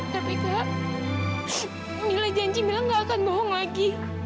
tapi kak mila janji mila nggak akan bohong lagi